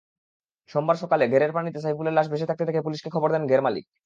সোমবার সকালে ঘেরের পানিতে সাইফুলের লাশ ভাসতে দেখে পুলিশকে খবর দেন ঘেরমালিক।